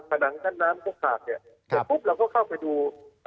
ทางฐานงานก้านน้ำแล้วเราก็เข้าไปดู